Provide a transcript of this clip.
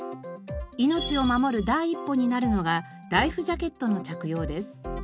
命を守る第一歩になるのがライフジャケットの着用です。